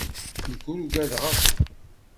Nekk ur ugadeɣ akk.